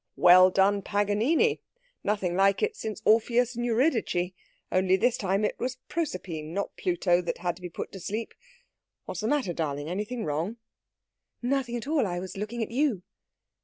"Well done, Paganini! Nothing like it since Orpheus and Eurydice only this time it was Proserpine, not Pluto, that had to be put to sleep.... What's the matter, darling? Anything wrong?" "Nothing at all. I was looking at you."